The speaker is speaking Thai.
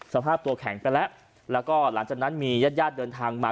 สภาพตัวแข็งไปแล้วแล้วก็หลังจากนั้นมีญาติญาติเดินทางมา